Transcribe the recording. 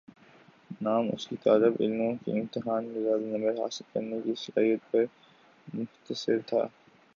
نعام اس کی طالبعلموں کی امتحان میں زیادہ نمبر حاصل کرنے کی صلاحیت پر منحصر تھا